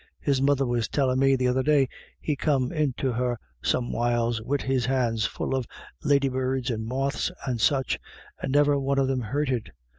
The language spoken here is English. His mother was tcllin' me the other day he come into her some whiles wid his hands full of ladybirds and moths and such, and niver one of them hurted.